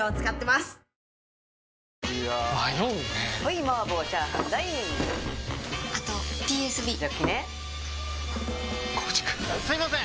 すいません！